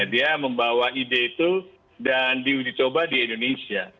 dia membawa ide itu dan diudicoba di indonesia